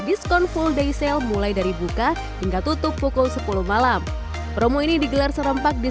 diskon full day sale mulai dari buka hingga tutup pukul sepuluh malam promo ini digelar serempak di